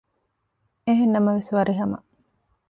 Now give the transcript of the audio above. އެހެންނަމަވެސް ވަރިހަމަ